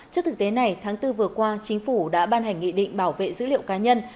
trước thực tế này tháng bốn vừa qua chính phủ đã ban hành nghị định bảo vệ dữ liệu cá nhân